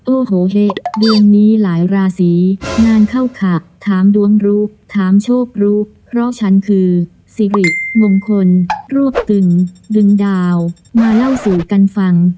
โอ้โหเฮะเดือนนี้หลายราศีงานเข้าขะถามดวงรู้ถามโชครู้เพราะฉันคือสิริมงคลรวบตึงดึงดาวมาเล่าสู่กันฟัง